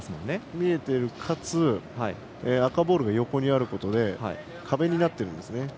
見えてる、かつ赤ボールが横にあることで壁になってるんですね。